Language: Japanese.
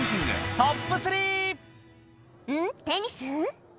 テニス？